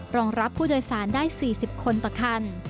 รองรับผู้โดยสารได้๔๐คนต่อคัน